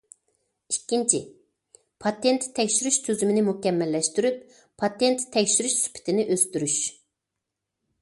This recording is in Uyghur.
ئىككىنچى، پاتېنت تەكشۈرۈش تۈزۈمىنى مۇكەممەللەشتۈرۈپ، پاتېنت تەكشۈرۈش سۈپىتىنى ئۆستۈرۈش.